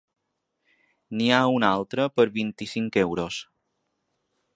N'hi ha una altra per vint-i-cinc euros.